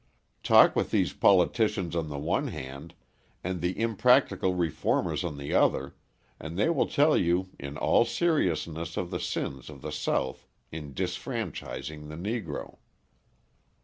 Talk with these politicians on the one hand, and the impractical reformers on the other, and they will tell you in all seriousness of the sins of the South in disfranchising the Negro.